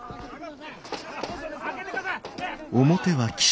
・開けてください！